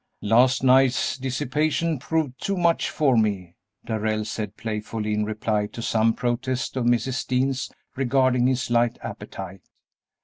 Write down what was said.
"Last night's dissipation proved too much for me," Darrell said, playfully, in reply to some protest of Mrs. Dean's regarding his light appetite.